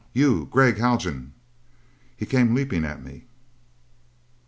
"You, Gregg Haljan!" He came leaping at me.